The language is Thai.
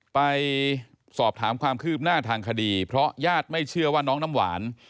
ไปสอบถามความคืบหน้าทางคดีเพราะญาติไม่เชื่อว่าน้องน้ำหวาน